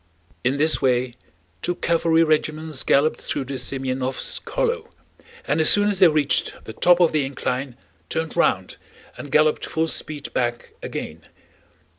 In this way two cavalry regiments galloped through the Semënovsk hollow and as soon as they reached the top of the incline turned round and galloped full speed back again.